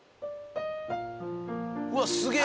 うわっすげえ！